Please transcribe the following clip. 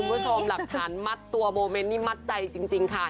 คุณผู้ชมหลักฐานมัดตัวโมเมนต์นี่มัดใจจริงค่ะ